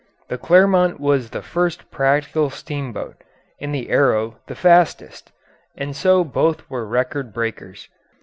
The Clermont was the first practical steamboat, and the Arrow the fastest, and so both were record breakers.